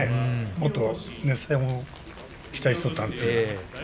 もっと熱戦を期待していたんだけどもね。